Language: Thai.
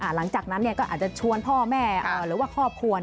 หลังจากนั้นก็อาจจะชวนพ่อแม่หรือว่าครอบครัว